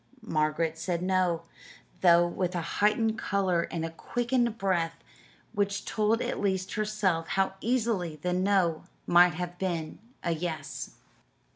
Margaret said no, though with a heightened color and a quickened breath which told at least herself how easily the "no" might have been a "yes."